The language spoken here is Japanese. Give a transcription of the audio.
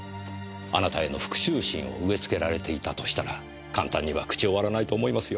あなたへの復讐心を植えつけられていたとしたら簡単には口を割らないと思いますよ。